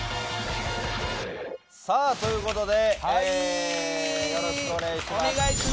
といことでよろしくお願いします。